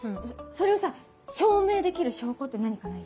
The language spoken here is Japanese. それをさ証明できる証拠って何かない？